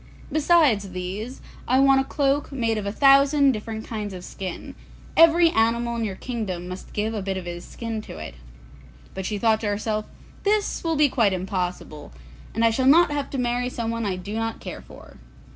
Besides these, I want a cloak made of a thousand different kinds of skin; every animal in your kingdom must give a bit of his skin to it.' But she thought to herself, 'This will be quite impossible, and I shall not have to marry someone I do not care for.